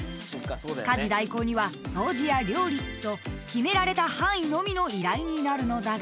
［家事代行には掃除や料理と決められた範囲のみの依頼になるのだが］